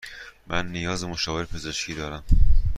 من نیاز به مشاوره پزشکی دارم.